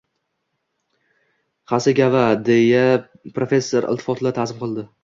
Xasegava, deya professor iltifot-la ta`zim qildi